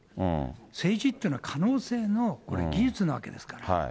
政治というのは可能性の技術なわけですから。